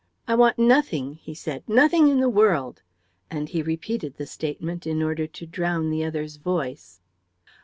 "I want nothing," he said, "nothing in the world;" and he repeated the statement in order to drown the other's voice.